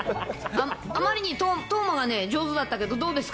あまりに斗真がね、上手だったけど、どうですか？